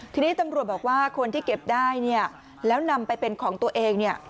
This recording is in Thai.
ทีนี้ตำรวจบอกว่าคนที่เก็บได้เนี่ยแล้วนำไปเป็นของตัวเองเนี่ย